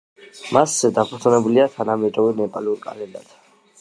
მასზე დაფუძნებულია თანამედროვე ნეპალურ კალენდართან.